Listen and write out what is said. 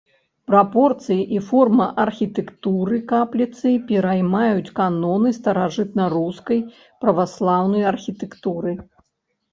Прапорцыі і форма архітэктуры капліцы пераймаюць каноны старажытнарускай праваслаўнай архітэктуры.